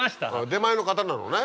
出前の方なのね。